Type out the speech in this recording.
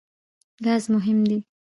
ګاز مهم دی.